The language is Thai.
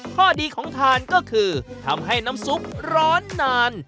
ข้อดีของทานก็คือทำให้น้ำซุปร้อนนาน